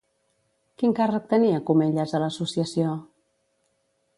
Quin càrrec tenia Comellas a l'associació?